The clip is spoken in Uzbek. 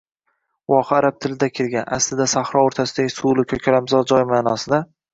Voha arab tilidan kirgan, asliyatda sahro oʻrtasidagi suvli, koʻkalamzor joy maʼnosida